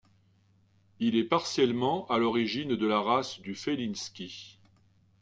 Il est partiellement à l'origine de la race du Feliński.